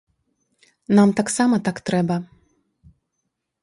Нам таксама так трэба.